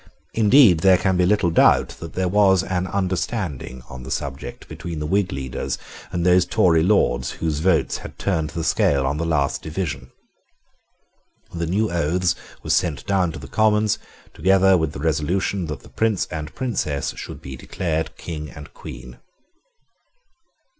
Indeed there can be little doubt that there was an understanding on the subject between the Whig leaders and those Tory Lords whose votes had turned the scale on the last division. The new oaths were sent down to the Commons, together with the resolution that the Prince and Princess should be declared King and Queen.